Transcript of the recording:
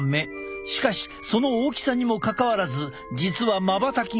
しかしその大きさにもかかわらず実はまばたきがとても少ない。